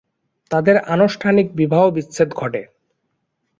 তখন তাদের আনুষ্ঠানিক বিবাহ বিচ্ছেদ ঘটে।